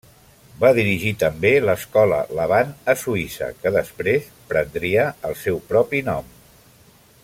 Va dirigir també l'escola Laban a Suïssa, que després prendria el seu propi nom.